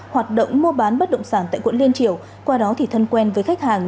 hoạt động mua bán bất động sản tại quận liên triều qua đó thì thân quen với khách hàng